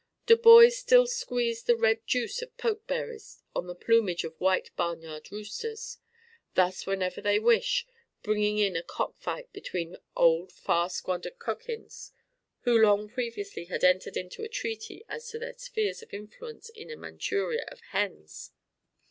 Do boys still squeeze the red juice of poke berries on the plumage of white barnyard roosters, thus whenever they wish bringing on a cock fight between old far squandered Cochins, who long previously had entered into a treaty as to their spheres of influence in a Manchuria of hens?